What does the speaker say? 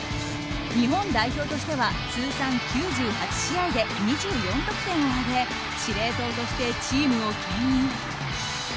日本代表としては通算９８試合で２４得点を挙げ司令塔としてチームを牽引。